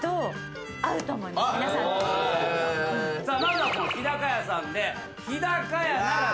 まずは日高屋さんで。